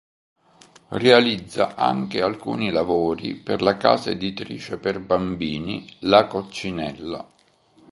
Realizza anche alcuni lavori per la casa editrice per bambini La Coccinella.